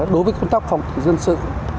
đối với công tác phòng thủ dân sự